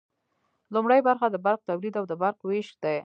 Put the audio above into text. لومړی برخه د برق تولید او د برق ویش دی.